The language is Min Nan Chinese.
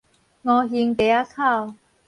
吳興街仔口